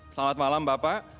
selamat malam bapak